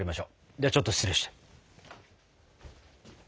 ではちょっと失礼して。